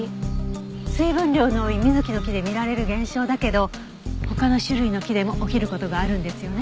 水分量の多いミズキの木で見られる現象だけど他の種類の木でも起きる事があるんですよね。